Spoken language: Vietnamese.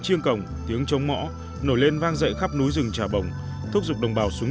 chiêng cổng tiếng chống mõ nổi lên vang dậy khắp núi rừng trà bồng thúc giục đồng bào xuống